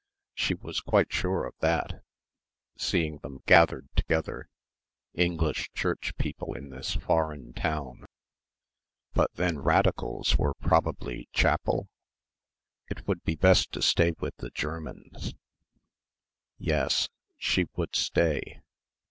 She was quite sure of that, seeing them gathered together, English Church people in this foreign town. But then Radicals were probably chapel? It would be best to stay with the Germans. Yes ... she would stay.